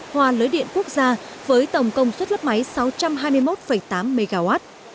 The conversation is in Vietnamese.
hòa lưới điện quốc gia với tổng công suất lắp máy sáu trăm hai mươi một tám mw